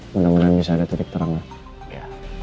mudah mudahan bisa ada titik terang ya